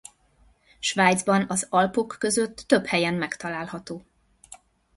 Svájcban az Alpok között több helyen megtalálható.